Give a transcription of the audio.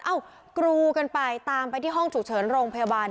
เอ้ากรูกันไปตามไปที่ห้องฉุกเฉินโรงพยาบาล